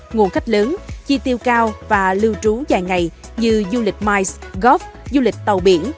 nguồn khách lớn chi tiêu cao và lưu trú dài ngày như du lịch mice góp du lịch tàu biển